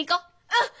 うん！